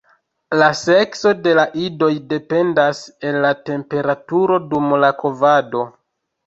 La sekso de la idoj dependas el la temperaturo dum la kovado.